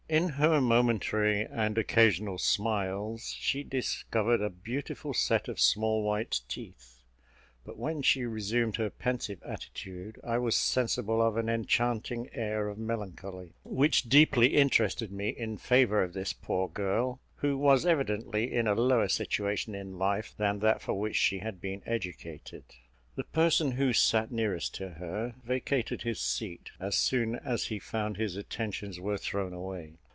In her momentary and occasional smiles, she discovered a beautiful set of small, white teeth; but when she resumed her pensive attitude, I was sensible of an enchanting air of melancholy, which deeply interested me in favour of this poor girl, who was evidently in a lower situation in life than that for which she had been educated. The person who sat nearest to her vacated his seat as soon as he found his attentions were thrown away.